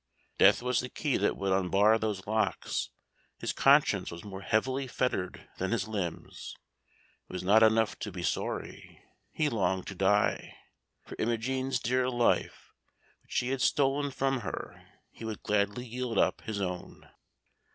Death was the key that would unbar those locks; his conscience was more heavily fettered than his limbs. It was not enough to be sorry; he longed to die. For Imogen's dear life, which he had stolen from her, he would gladly yield up his own.